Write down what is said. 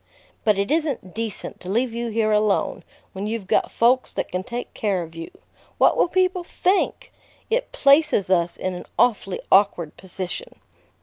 "But it isn't decent to leave you here alone, when you've got folks that can take care of you. What will people think? It places us in an awfully awkward position."